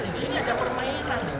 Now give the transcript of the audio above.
ini adalah permainan